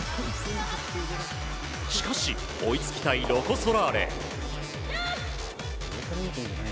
しかし、追いつきたいロコ・ソラーレ。